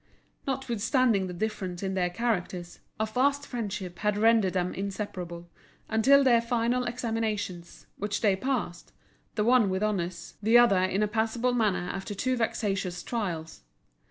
Notwithstanding the difference in their characters, a fast friendship had rendered them inseparable, until their final examinations, which they passed, the one with honours, the other in a passable manner after two vexatious trials.